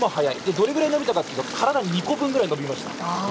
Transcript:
どれくらい伸びたかというと体２個分、伸びました。